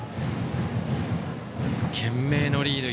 懸命のリード